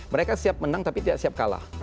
mereka siap menang tapi tidak siap kalah